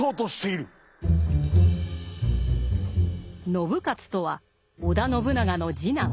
信雄とは織田信長の次男。